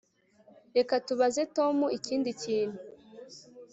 Reka tubaze Tom ikindi kintu